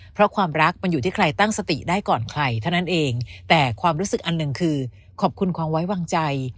เพราะความรักมันอยู่ที่ใครตั้งสติได้ก่อนใครเท่านั้นเองแต่ความรู้สึกอันหนึ่งคือขอบคุณความไว้วางใจ